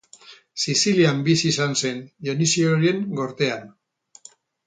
Sizilian bizi izan zen, Dionisioren gortean.